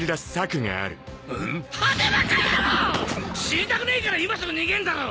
死にたくねえから今すぐ逃げんだろ！